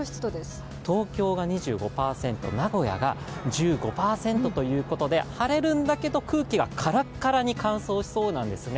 明日は東京が２５％、名古屋が１５％ということで晴れるんだけど空気がカラッカラに乾燥しそうなんですね。